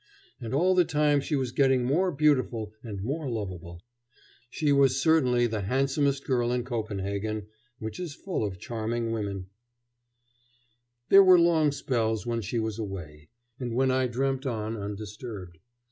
And all the time she was getting more beautiful and more lovable. She was certainly the handsomest girl in Copenhagen, which is full of charming women. [Illustration: Down by her Garden, on the River Nibs.] There were long spells when she was away, and when I dreamt on undisturbed.